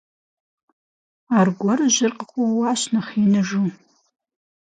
Аргуэру жьыр къыкъуэуащ, нэхъ иныжу.